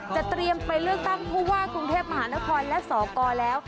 เตรียมไปเลือกตั้งผู้ว่ากรุงเทพมหานครและสกแล้ว